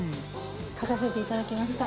書かせていただきました。